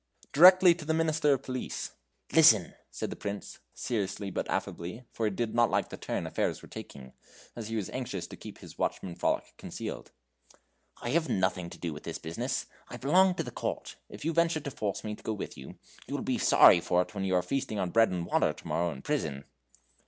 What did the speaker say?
"Directly to the Minister of Police." "Listen," said the Prince, seriously but affably, for he did not like the turn affairs were taking, as he was anxious to keep his watchman frolic concealed. "I have nothing to do with this business. I belong to the court. If you venture to force me to go with you, you will be sorry for it when you are feasting on bread and water tomorrow in prison."